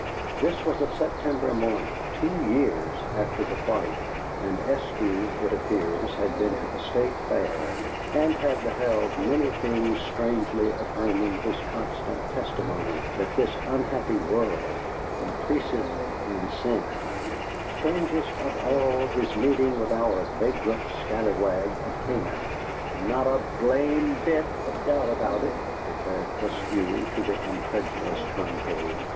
This was on a September morning, two years after the flight, and Eskew, it appears, had been to the State Fair and had beheld many things strangely affirming his constant testimony that this unhappy world increaseth in sin; strangest of all, his meeting with our vagrant scalawag of Canaan. "Not a BLAMEBIT of doubt about it," declared Eskew to the incredulous conclave.